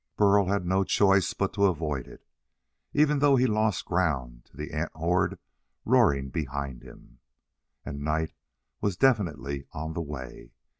Burl had no choice but to avoid it, even though he lost ground to the ant horde roaring behind him. And night was definitely on the way.